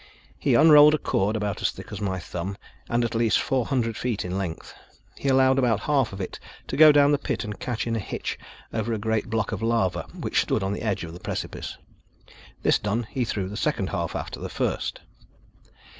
He unrolled a cord about as thick as my thumb, and at least four hundred feet in length. He allowed about half of it to go down the pit and catch in a hitch over a great block of lava which stood on the edge of the precipice. This done, he threw the second half after the first.